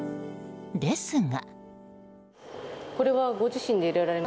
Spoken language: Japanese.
ですが。